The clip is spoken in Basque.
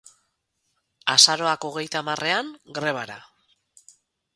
Azaroak hogeita hamarrean, grebara